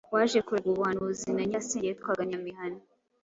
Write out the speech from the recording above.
waje kuragwa ubuhanuzi na Nyirasenge witwaga Nyamihana.